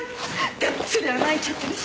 がっつり穴開いちゃってるし！